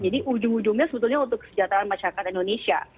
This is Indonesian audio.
jadi ujung ujungnya sebetulnya untuk kesejahteraan masyarakat indonesia